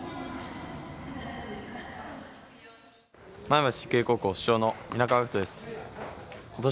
前橋育英高校主将の皆川岳飛です。